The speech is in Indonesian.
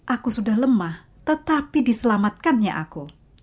aku sudah lemah tetapi diselamatkannya aku